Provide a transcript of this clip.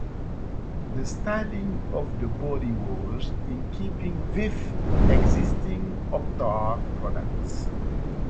The styling of the body was in keeping with existing Optare products.